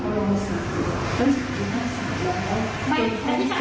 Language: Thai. ก็ถึงขั้นมีปัญหาที่โรงที่ออกมานะครับ